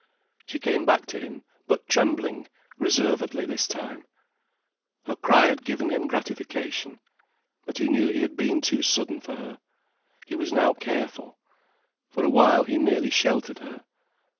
She came back to him, but trembling, reservedly this time. Her cry had given him gratification. But he knew he had been too sudden for her. He was now careful. For a while he merely sheltered her.